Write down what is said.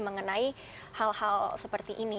mengenai hal hal seperti ini